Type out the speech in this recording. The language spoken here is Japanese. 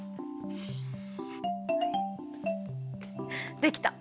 できた！